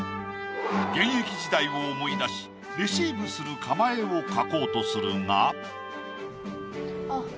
現役時代を思い出しレシーブする構えを描こうとするが。